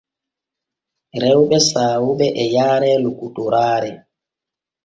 Rewɓe saawuɓe e yaare lokotoraare.